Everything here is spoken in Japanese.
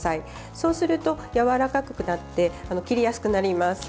そうすると、やわらかくなって切りやすくなります。